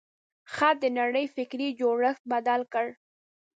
خط د نړۍ فکري جوړښت بدل کړ.